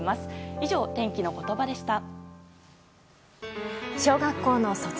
以上、天気のことばでした。